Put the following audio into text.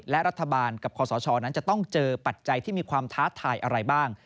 และรัฐบาลกับคอสชนั้นจะต้องเจอปัจจัยที่มีความท้าทายอะไรบ้าง